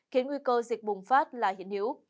khiến nguy cơ dịch bùng phát là hiện hữu